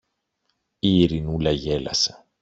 Η Ειρηνούλα γέλασε.